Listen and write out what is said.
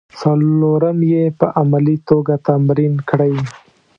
څلورم یې په عملي توګه تمرین کړئ.